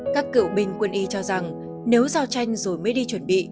các cựu binh quân y cho rằng nếu giao tranh rồi mới đi chuẩn bị